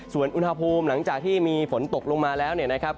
ส่วนอุณหภูมิหลังจากที่มีฝนตกลงมาแล้วเนี่ยนะครับ